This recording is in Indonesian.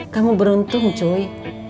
kamu beruntung cuy